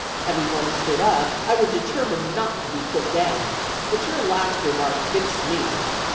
Having once stood up, I was determined not to be put down, but your last remark fixed me!"